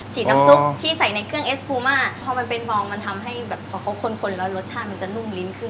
น้ำซุปที่ใส่ในเครื่องเอสพูมาพอมันเป็นฟองมันทำให้แบบพอเขาคนแล้วรสชาติมันจะนุ่มลิ้นขึ้น